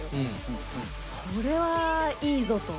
これはいいぞと。